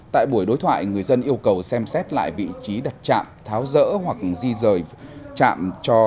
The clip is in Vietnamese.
tại buổi đối thoại người dân yêu cầu xem xét lại vị trí đặt trạm tháo rỡ hoặc di rời trạm